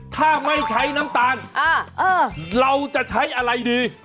ถ้าไม่ใช้น้ำตาลเราจะใช้อะไรดี